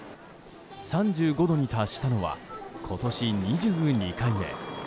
３５度に達したのは今年２２回目。